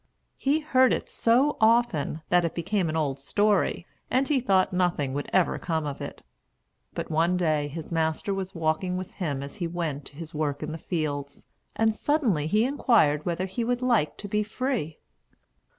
He heard it so often, that it became an old story, and he thought nothing would ever come of it. But one day his master was walking with him as he went to his work in the fields, and suddenly he inquired whether he would like to be free.